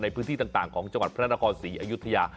พื้นที่ต่างของจังหวัดพระนครศรีอยุธยา